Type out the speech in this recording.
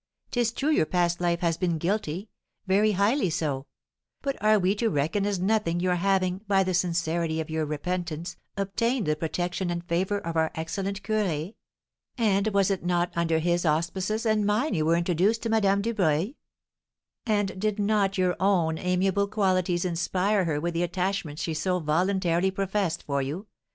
'Tis true your past life has been guilty very highly so; but are we to reckon as nothing your having, by the sincerity of your repentance, obtained the protection and favour of our excellent curé? and was it not under his auspices and mine you were introduced to Madame Dubreuil? and did not your own amiable qualities inspire her with the attachment she so voluntarily professed for you?